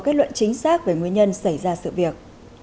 kết luận chính xác về nguyên nhân xảy ra sự việc